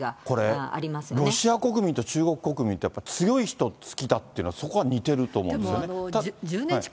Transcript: これ、ロシア国民と中国国民って強い人好きだっていうのはそこは似てると思うんですよね。